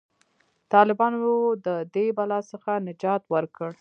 طالبانو د دې بلا څخه نجات ورکړ.